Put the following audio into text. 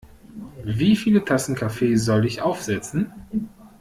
Wie viele Tassen Kaffee soll ich aufsetzen?